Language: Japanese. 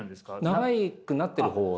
長くなってる方ですね。